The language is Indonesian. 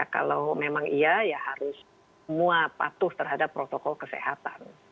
kalau memang iya ya harus semua patuh terhadap protokol kesehatan